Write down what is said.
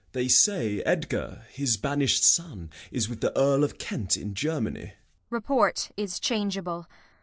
Gent. They say Edgar, his banish'd son, is with the Earl of Kent in Germany. Kent. Report is changeable.